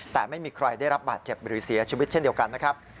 แต่ไม่มีใครได้รับบาดเจ็บหรือเสียชีวิตเช่นเดียวกันนะครับ